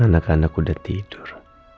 anak anak udah tidur